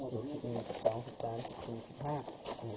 ตื่นมาเมื่อเช้าก็เอ่อน่าจะตกใจแหละ